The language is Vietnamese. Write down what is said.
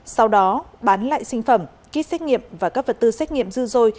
sau đó bán lại sinh phẩm kýt xét nghiệm và các vật tư xét nghiệm dư dôi